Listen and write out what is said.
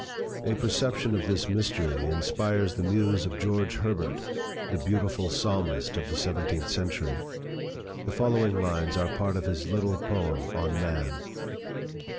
A perception of this mystery inspires the muse of George Herbert, the beautiful psalmist of the seventeenth century. The following lines are part of his little poem on Man.